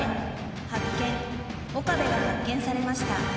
岡部が発見されました。